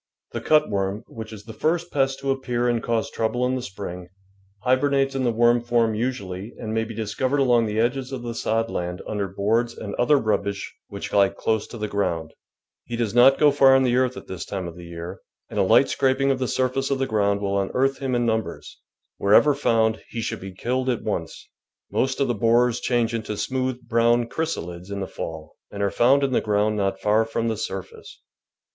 The cut worm, which is the first pest to ap pear and cause trouble in the spring, hibernates in the worm form usually and may be discovered along the edges of the sod land under boards and [ 249 J THE VEGETABLE GARDEN other rubbish which he close to the ground ; he does not go far in the earth at this time of year, and a hght scraping of the surface of the ground will unearth him in numbers ; wherever found, he should be killed at once. IMost of the borers change into smooth, brown chrysalids in the fall, and are found in the ground not far from the surface.